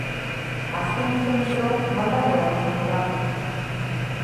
Azken kilometro maldan gora izango da.